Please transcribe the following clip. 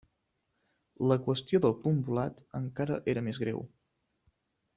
La qüestió del punt volat encara era més greu.